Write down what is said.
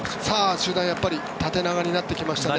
集団、縦長になってきましたね。